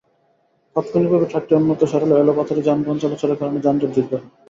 তাত্ক্ষণিকভাবে ট্রাকটি অন্যত্র সরালেও এলোপাতাড়ি যানবাহন চলাচলের কারণে যানজট দীর্ঘ হয়।